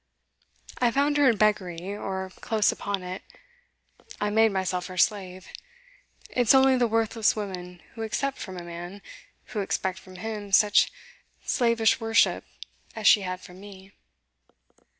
I found her in beggary, or close upon it. I made myself her slave it's only the worthless women who accept from a man, who expect from him, such slavish worship as she had from me.